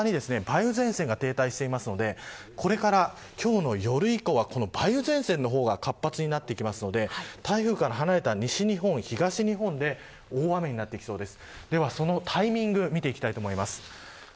ただ、先ほどお伝えしたように台風周辺、北側に梅雨前線が停滞していますのでこれから今日の夜以降は梅雨前線が活発になってきますので台風から離れた西日本、東日本で大雨になってきそうです。